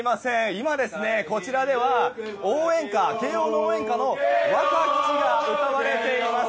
今、こちらでは慶応の応援歌の歌が歌われています。